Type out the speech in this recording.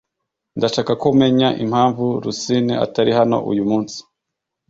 Ndashaka ko umenya impamvu Rusine atari hano uyu munsi